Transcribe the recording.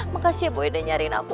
makasih ya boy udah nyariin aku